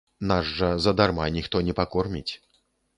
Нас жа задарма ніхто не пакорміць.